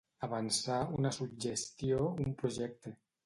Avançar una suggestió, un projecte.